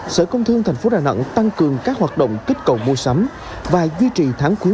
sở công thương tp đà nẵng tăng cường các hoạt động kích cầu mua sắm và duy trì tháng khuyến